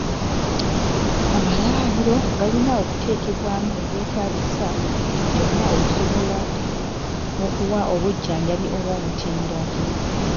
Amalwaliro galina okuteekebwamu e byetaagisa byonna okusobola okuwa obujjanjabi obw'omutindo.